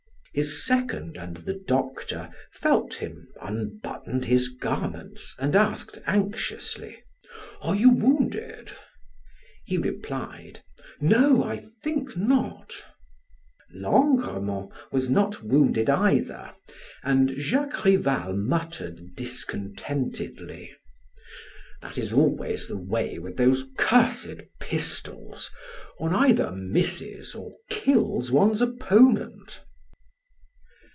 His second and the doctor felt him, unbuttoned his garments, and asked anxiously: "Are you wounded?" He replied: "No, I think not." Langremont was not wounded either, and Jacques Rival muttered discontentedly: "That is always the way with those cursed pistols, one either misses or kills one's opponent."